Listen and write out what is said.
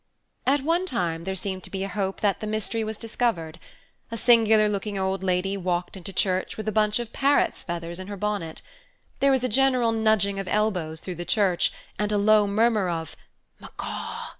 At one time there seemed to be a hope that the mystery was discovered. A singular looking old lady walked into church with a bunch of parrot's feathers in her bonnet. There was a general nudging of elbows through the church and a low murmur of "macaw."